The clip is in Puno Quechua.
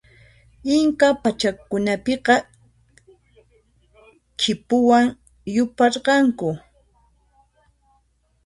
Inca pachakunapiqa khipuwan yuparqanku.